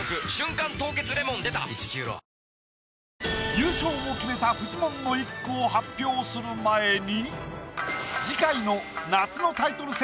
優勝を決めたフジモンの一句を発表する前に。